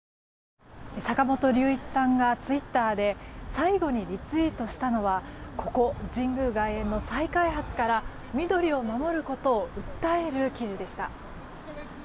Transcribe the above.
坂本龍一さんがツイッターで最後にリツイートしたのはここ、神宮外苑の再開発から緑を守ることを訴える記事でした。